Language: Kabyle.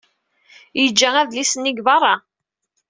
Yeǧǧa adlis-nni deg beṛṛa.